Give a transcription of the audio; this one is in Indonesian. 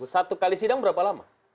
satu kali sidang berapa lama